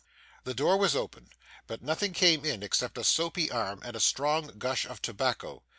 The door was opened, but nothing came in except a soapy arm and a strong gush of tobacco.